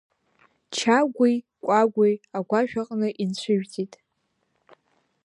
Чагәи Кәагәи агәашә аҟны инҽыжәҵит.